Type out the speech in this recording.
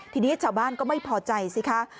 ทีนี้ชาวบ้านก็ไม่พอใจสิคะ